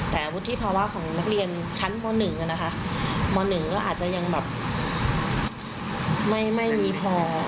แต่วุฒิภาวะของนักเรียนชั้นเมาส์หนึ่งนะคะเมาส์หนึ่งก็อาจจะยังแบบไม่มีพอ